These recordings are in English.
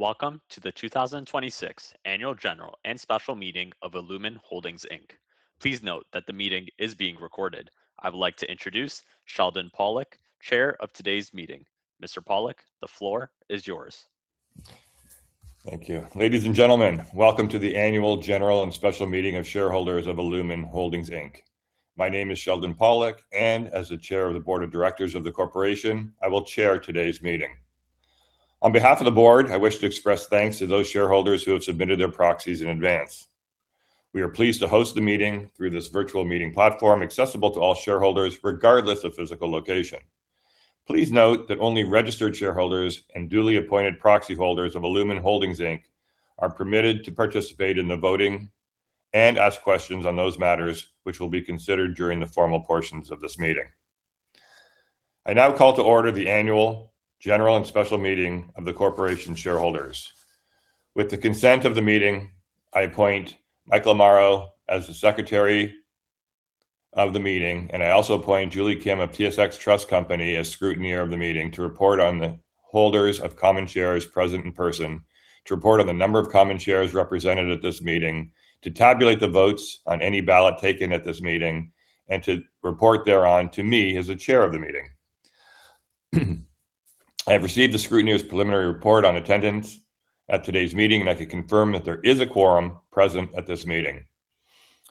Welcome to the 2026 Annual General and Special Meeting of illumin Holdings Inc. Please note that the meeting is being recorded. I would like to introduce Sheldon Pollack, chair of today's meeting. Mr. Pollack, the floor is yours. Thank you. Ladies and gentlemen, welcome to the Annual General and Special Meeting of Shareholders of illumin Holdings Inc. My name is Sheldon Pollack, as the chair of the board of directors of the corporation, I will chair today's meeting. On behalf of the board, I wish to express thanks to those shareholders who have submitted their proxies in advance. We are pleased to host the meeting through this virtual meeting platform, accessible to all shareholders, regardless of physical location. Please note that only registered shareholders and duly appointed proxy holders of illumin Holdings Inc. are permitted to participate in the voting and ask questions on those matters which will be considered during the formal portions of this meeting. I now call to order the annual general and special meeting of the corporation shareholders. With the consent of the meeting, I appoint Michael Amaro as the secretary of the meeting, I also appoint Julie Kim of TSX Trust Company as scrutineer of the meeting to report on the holders of common shares present in person, to report on the number of common shares represented at this meeting, to tabulate the votes on any ballot taken at this meeting, to report thereon to me as the chair of the meeting. I have received the scrutineer's preliminary report on attendance at today's meeting, I can confirm that there is a quorum present at this meeting.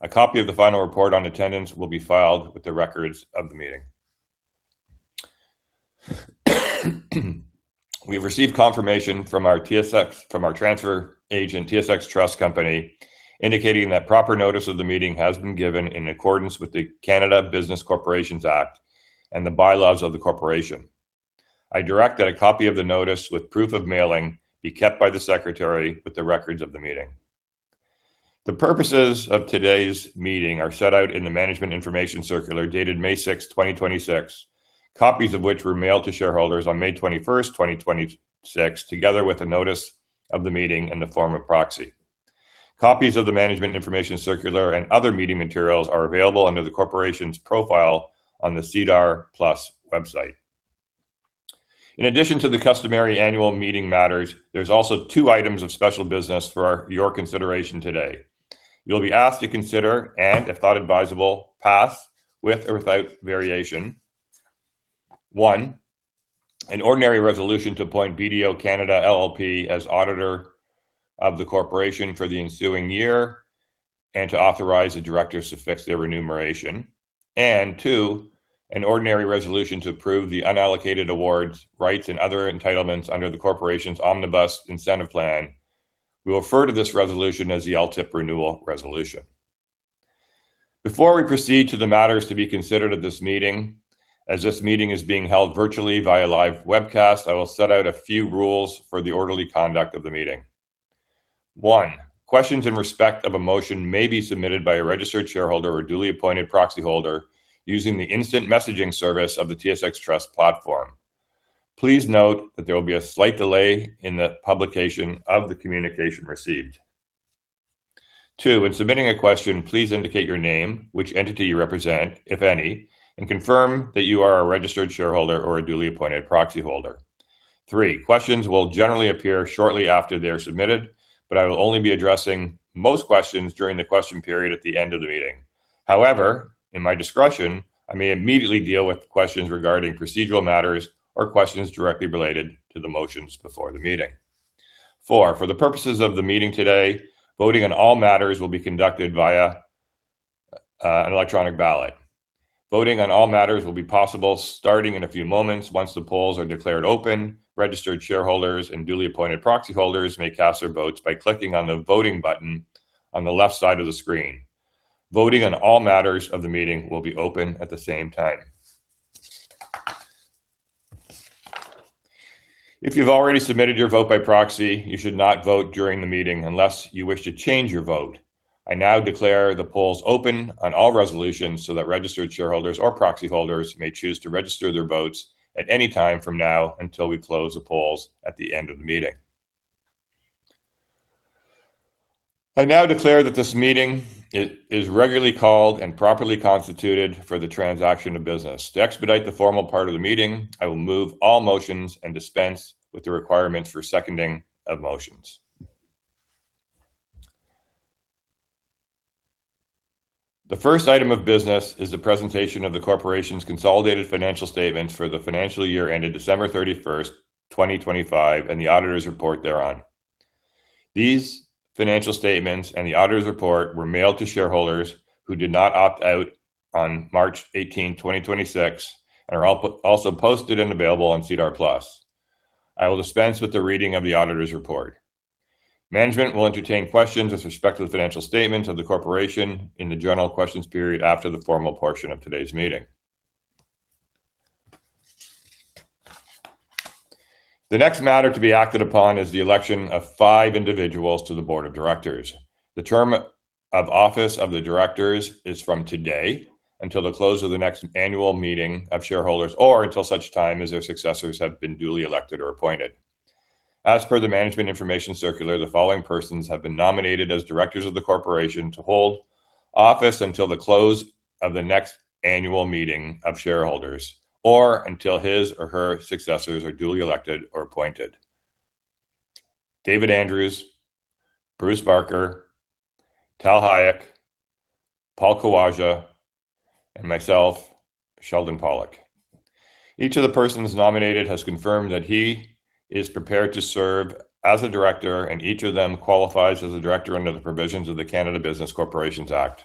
A copy of the final report on attendance will be filed with the records of the meeting. We have received confirmation from our transfer agent, TSX Trust Company, indicating that proper notice of the meeting has been given in accordance with the Canada Business Corporations Act and the bylaws of the corporation. I direct that a copy of the notice with proof of mailing be kept by the secretary with the records of the meeting. The purposes of today's meeting are set out in the management information circular dated May 6th, 2026, copies of which were mailed to shareholders on May 21st, 2026, together with a notice of the meeting in the form of proxy. Copies of the management information circular and other meeting materials are available under the corporation's profile on the SEDAR+ website. In addition to the customary annual meeting matters, there's also two items of special business for your consideration today. You'll be asked to consider, and if thought advisable, pass with or without variation, one, an ordinary resolution to appoint BDO Canada LLP as auditor of the corporation for the ensuing year, and to authorize the directors to fix their remuneration, and two, an ordinary resolution to approve the unallocated awards, rights, and other entitlements under the corporation's Omnibus Incentive Plan. We refer to this resolution as the LTIP Renewal Resolution. Before we proceed to the matters to be considered at this meeting, as this meeting is being held virtually via live webcast, I will set out a few rules for the orderly conduct of the meeting. One, questions in respect of a motion may be submitted by a registered shareholder or duly appointed proxy holder using the instant messaging service of the TSX Trust platform. Please note that there will be a slight delay in the publication of the communication received. Two, when submitting a question, please indicate your name, which entity you represent, if any, and confirm that you are a registered shareholder or a duly appointed proxy holder. Three, questions will generally appear shortly after they are submitted, but I will only be addressing most questions during the question period at the end of the meeting. However, in my discretion, I may immediately deal with questions regarding procedural matters or questions directly related to the motions before the meeting. Four, for the purposes of the meeting today, voting on all matters will be conducted via an electronic ballot. Voting on all matters will be possible starting in a few moments once the polls are declared open. Registered shareholders and duly appointed proxy holders may cast their votes by clicking on the voting button on the left side of the screen. Voting on all matters of the meeting will be open at the same time. If you've already submitted your vote by proxy, you should not vote during the meeting unless you wish to change your vote. I now declare the polls open on all resolutions so that registered shareholders or proxy holders may choose to register their votes at any time from now until we close the polls at the end of the meeting. I now declare that this meeting is regularly called and properly constituted for the transaction of business. To expedite the formal part of the meeting, I will move all motions and dispense with the requirements for seconding of motions. The first item of business is the presentation of the corporation's consolidated financial statements for the financial year ended December 31st, 2025, and the auditor's report thereon. These financial statements and the auditor's report were mailed to shareholders who did not opt out on March 18th, 2026, and are also posted and available on SEDAR+. I will dispense with the reading of the auditor's report. Management will entertain questions with respect to the financial statements of the corporation in the general questions period after the formal portion of today's meeting. The next matter to be acted upon is the election of five individuals to the board of directors. The term of office of the directors is from today until the close of the next annual meeting of shareholders or until such time as their successors have been duly elected or appointed. As per the management information circular, the following persons have been nominated as directors of the corporation to hold office until the close of the next annual meeting of shareholders, or until his or her successors are duly elected or appointed. David Andrews, Bruce Barker, Tal Hayek, Paul Khawaja, and myself, Sheldon Pollack. Each of the persons nominated has confirmed that he is prepared to serve as a director, and each of them qualifies as a director under the provisions of the Canada Business Corporations Act.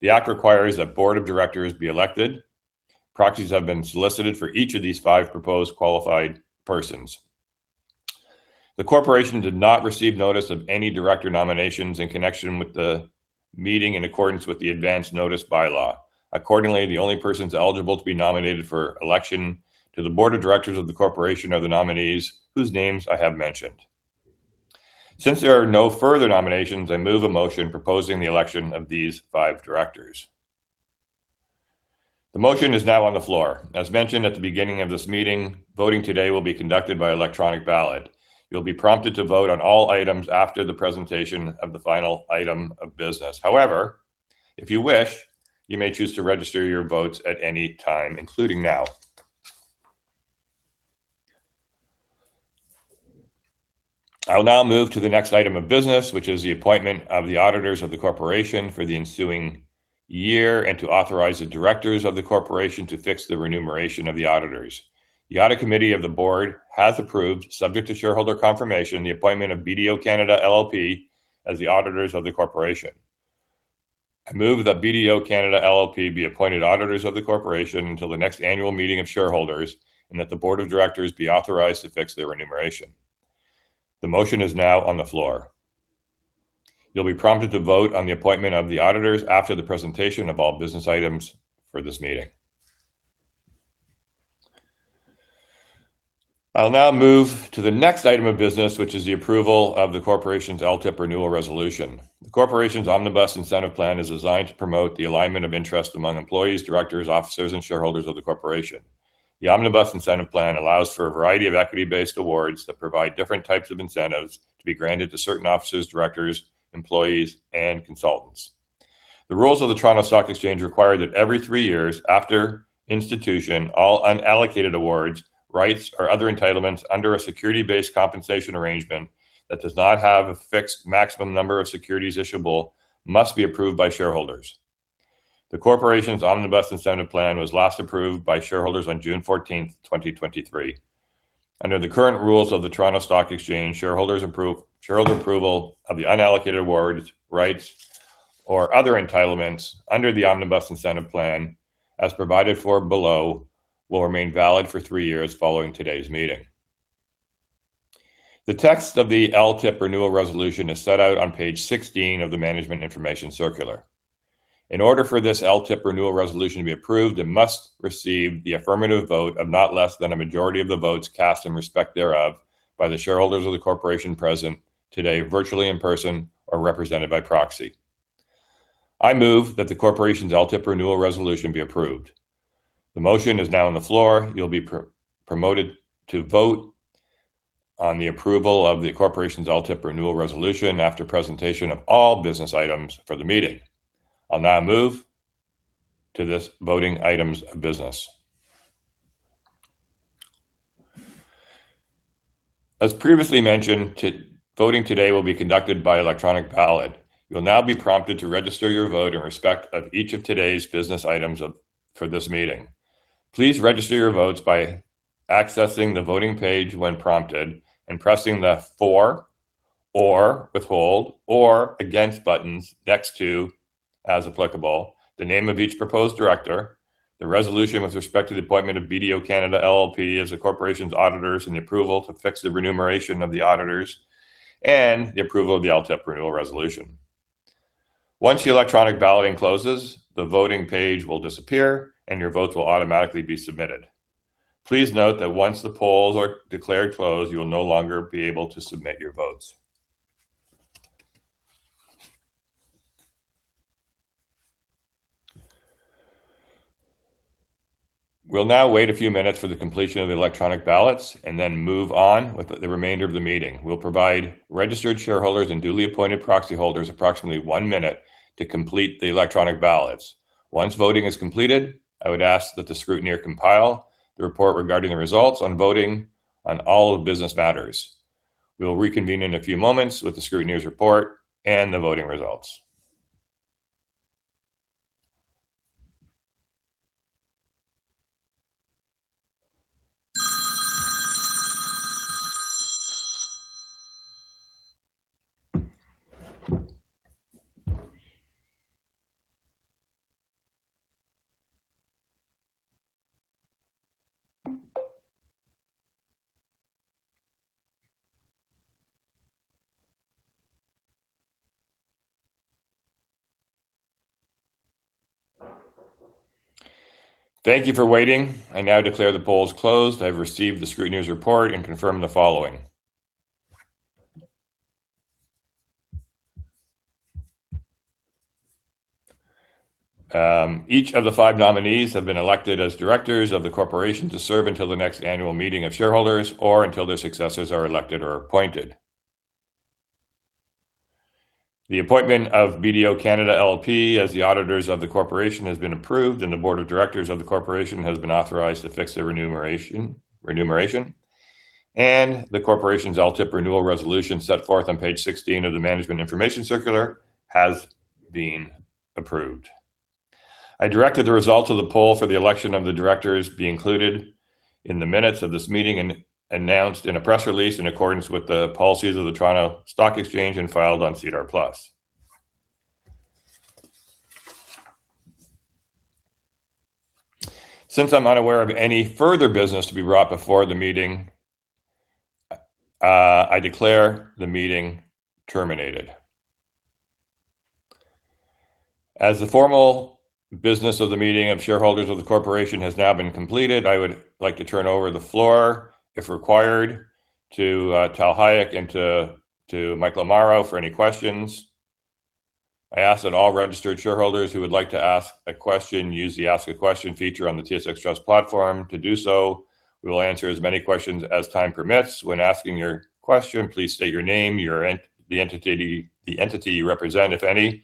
The act requires that board of directors be elected. Proxies have been solicited for each of these five proposed qualified persons. The corporation did not receive notice of any director nominations in connection with the meeting in accordance with the advanced notice bylaw. Accordingly, the only persons eligible to be nominated for election to the board of directors of the corporation are the nominees whose names I have mentioned. Since there are no further nominations, I move a motion proposing the election of these five directors. The motion is now on the floor. As mentioned at the beginning of this meeting, voting today will be conducted by electronic ballot. You'll be prompted to vote on all items after the presentation of the final item of business. However, if you wish, you may choose to register your votes at any time, including now. I will now move to the next item of business, which is the appointment of the auditors of the corporation for the ensuing year and to authorize the directors of the corporation to fix the remuneration of the auditors. The audit committee of the board has approved, subject to shareholder confirmation, the appointment of BDO Canada LLP as the auditors of the corporation. I move that BDO Canada LLP be appointed auditors of the corporation until the next annual meeting of shareholders and that the board of directors be authorized to fix their remuneration. The motion is now on the floor. You'll be prompted to vote on the appointment of the auditors after the presentation of all business items for this meeting. I'll now move to the next item of business, which is the approval of the corporation's LTIP Renewal Resolution. The corporation's Omnibus Incentive Plan is designed to promote the alignment of interest among employees, directors, officers, and shareholders of the corporation. The Omnibus Incentive Plan allows for a variety of equity-based awards that provide different types of incentives to be granted to certain officers, directors, employees, and consultants. The rules of the Toronto Stock Exchange require that every three years after institution, all unallocated awards, rights, or other entitlements under a security-based compensation arrangement that does not have a fixed maximum number of securities issuable must be approved by shareholders. The corporation's Omnibus Incentive Plan was last approved by shareholders on June 14th, 2023. Under the current rules of the Toronto Stock Exchange, shareholder approval of the unallocated awards, rights, or other entitlements under the Omnibus Incentive Plan, as provided for below, will remain valid for three years following today's meeting. The text of the LTIP Renewal Resolution is set out on page 16 of the management information circular. In order for this LTIP Renewal Resolution to be approved, it must receive the affirmative vote of not less than a majority of the votes cast in respect thereof by the shareholders of the corporation present today virtually, in person, or represented by proxy. I move that the corporation's LTIP Renewal Resolution be approved. The motion is now on the floor. You'll be promoted to vote on the approval of the corporation's LTIP Renewal Resolution after presentation of all business items for the meeting. I'll now move to this voting items of business. As previously mentioned, voting today will be conducted by electronic ballot. You'll now be prompted to register your vote in respect of each of today's business items for this meeting. Please register your votes by accessing the voting page when prompted and pressing the For or Withhold or Against buttons next to, as applicable, the name of each proposed director, the resolution with respect to the appointment of BDO Canada LLP as the corporation's auditors and the approval to fix the remuneration of the auditors, and the approval of the LTIP Renewal Resolution. Once the electronic balloting closes, the voting page will disappear, and your votes will automatically be submitted. Please note that once the polls are declared closed, you will no longer be able to submit your votes. We'll now wait a few minutes for the completion of the electronic ballots and then move on with the remainder of the meeting. We'll provide registered shareholders and duly appointed proxy holders approximately one minute to complete the electronic ballots. Once voting is completed, I would ask that the scrutineer compile the report regarding the results on voting on all business matters. We will reconvene in a few moments with the scrutineer's report and the voting results. Thank you for waiting. I now declare the polls closed. I've received the scrutineer's report and confirm the following. Each of the five nominees have been elected as directors of the corporation to serve until the next annual meeting of shareholders, or until their successors are elected or appointed. The appointment of BDO Canada LLP as the auditors of the corporation has been approved, and the board of directors of the corporation has been authorized to fix their remuneration. The corporation's LTIP Renewal Resolution set forth on page 16 of the management information circular has been approved. I directed the results of the poll for the election of the directors be included in the minutes of this meeting and announced in a press release in accordance with the policies of the Toronto Stock Exchange and filed on SEDAR+. Since I'm not aware of any further business to be brought before the meeting, I declare the meeting terminated. As the formal business of the meeting of shareholders of the corporation has now been completed, I would like to turn over the floor, if required, to Tal Hayek and to Michael Amaro for any questions. I ask that all registered shareholders who would like to ask a question use the Ask A Question feature on the TSX Trust platform to do so. We will answer as many questions as time permits. When asking your question, please state your name, the entity you represent, if any,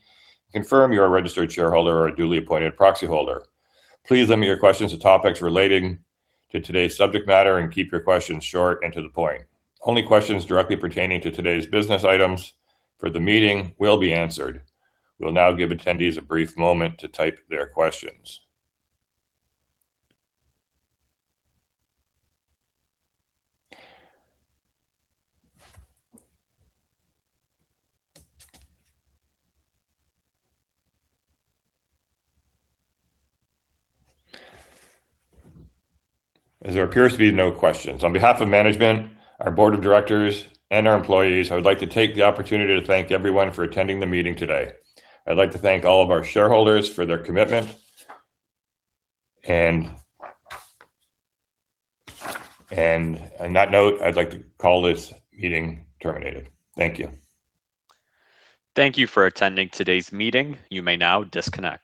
confirm you're a registered shareholder or a duly appointed proxy holder. Please limit your questions to topics relating to today's subject matter and keep your questions short and to the point. Only questions directly pertaining to today's business items for the meeting will be answered. We'll now give attendees a brief moment to type their questions. As there appears to be no questions, on behalf of management, our board of directors, and our employees, I would like to take the opportunity to thank everyone for attending the meeting today. I'd like to thank all of our shareholders for their commitment. On that note, I'd like to call this meeting terminated. Thank you. Thank you for attending today's meeting. You may now disconnect.